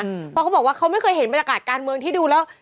เพราะเขาบอกว่าเขาไม่เคยเห็นบรรยากาศการเมืองที่ดูแล้ว